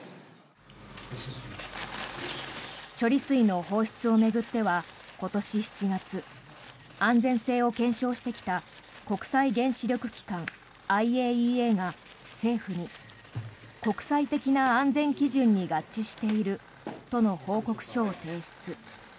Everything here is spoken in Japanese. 処理水の放出を巡っては今年７月安全性を検証してきた国際原子力機関・ＩＡＥＡが政府に国際的な安全基準に合致しているとの報告書を提出。